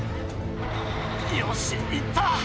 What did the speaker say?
よし行った。